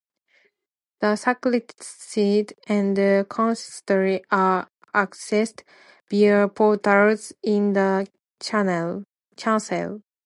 The sacristy and consistory are accessed via portals in the chancel.